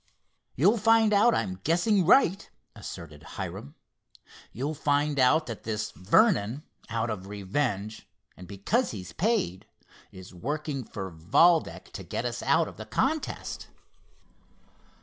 "You'll find out I'm guessing right," asserted Hiram, "you'll find out that this Vernon, out of revenge, and because he's paid, is working for Valdec to get us out of the contest."